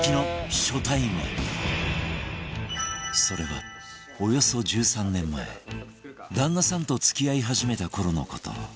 それはおよそ１３年前旦那さんと付き合い始めた頃の事